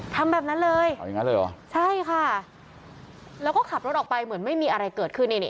ทำแบบนั้นเลยใช่ค่ะแล้วก็ขับรถออกไปเหมือนไม่มีอะไรเกิดขึ้นนี้